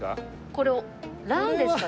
これランですか？